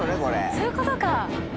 そういうことか！